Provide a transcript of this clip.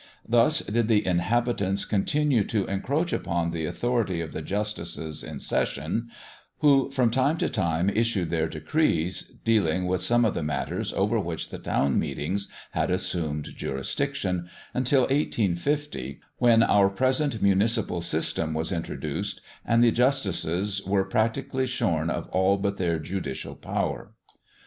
Thus did the inhabitants continue to encroach upon the authority of the Justices in Session, who from time to time issued their decrees, dealing with some of the matters over which the town meetings had assumed jurisdiction, until 1850, when our present municipal system was introduced and the justices were practically shorn of all but their judicial power.